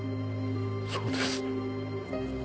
そうです。